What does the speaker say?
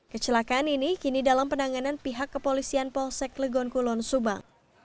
kecelakaan ini kini dalam penanganan pihak kepolisian polsek legon kulon subang